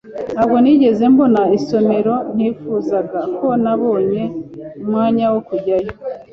Ntabwo nigeze mbona isomero ntifuzaga ko nabonye umwanya wo kujyayo